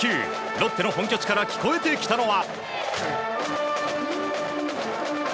ロッテの本拠地から聞こえてきたのは。